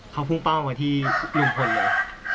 เขาพุ่งเป้ามาที่ลุงพลเลย